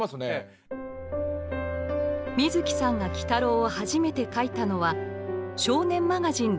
水木さんが「鬼太郎」を初めて描いたのは「少年マガジン」